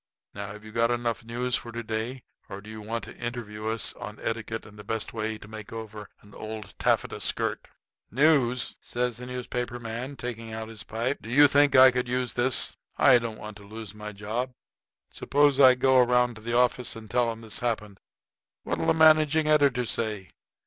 Now, have you got enough news for to day, or do you want to interview us on etiquette and the best way to make over an old taffeta skirt?" "News!" says the newspaper man, taking his pipe out; "do you think I could use this? I don't want to lose my job. Suppose I go around to the office and tell 'em this happened. What'll the managing editor say?